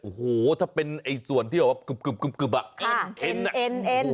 โอ้โหถ้าเป็นส่วนที่แบบกึบแบบเอ็น